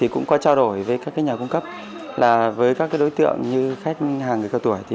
cũng có trao đổi với các nhà cung cấp với các đối tượng như khách hàng người cao tuổi